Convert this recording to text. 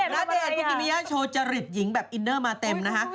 เอ้าณเดชน์ทำอะไรอ่ะณเดชน์ภูกิเมียโชว์จริตหญิงแบบอินเนอร์มาเต็มนะฮะ